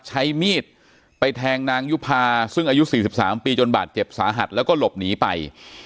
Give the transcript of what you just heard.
ใช้มีดไปแทงนางยุภาซึ่งอายุ๔๓ปีจนบาดเจ็บสาหัสแล้วก็หลบหนีไป